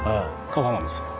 川なんです。